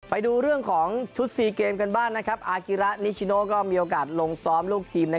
ไปดูเรื่องของชุด๔เกมกันบ้างนะครับอากิระนิชิโนก็มีโอกาสลงซ้อมลูกทีม